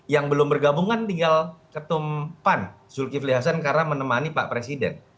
yang belum bergabung kan tinggal ketum pan zulkifli hasan karena menemani pak presiden